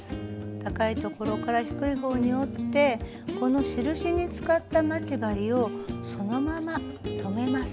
高い所から低い方に折ってこの印に使った待ち針をそのまま留めます。